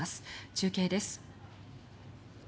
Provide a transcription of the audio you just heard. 中継です。